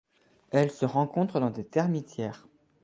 Elle se rencontre dans des termitières.